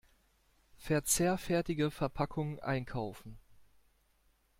Verzehrfertige Verpackung einkaufen.